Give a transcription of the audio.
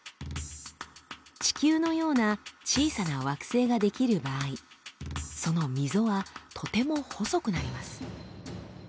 地球のような小さな惑星が出来る場合その溝はとても細くなります。